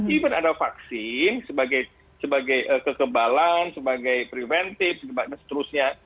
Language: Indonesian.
even ada vaksin sebagai kekebalan sebagai preventif dan seterusnya